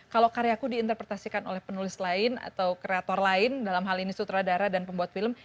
kalau karyaku diinterpretasikan oleh penulis lain atau kreator lain dalam hal ini sutradara dan pembuat film